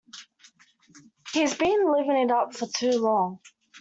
He's been living it up for too long.